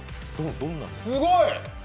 すごい！